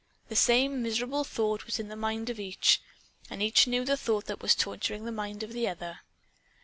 The same miserable thought was in the mind of each. And each knew the thought that was torturing the mind of the other.